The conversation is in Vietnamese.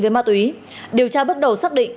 với ma túy điều tra bắt đầu xác định